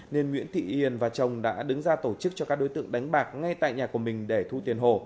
nên nguyễn thị hiền và chồng đã đứng ra tổ chức cho các đối tượng đánh bạc ngay tại nhà của mình để thu tiền hồ